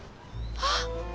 あっ。